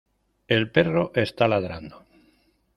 El perro está ladrando.